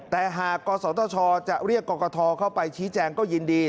แต่หากกศธชจะเรียกกรกฐเข้าไปชี้แจงก็ยินดี